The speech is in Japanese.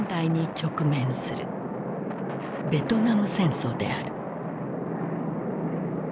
ベトナム戦争である。